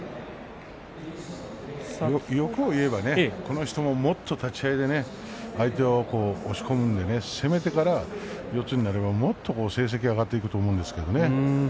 欲を言えばこの人ももっと立ち合いで相手を押し込んで、攻めてから四つになればもっと成績が上がっていくと思うんですけどね。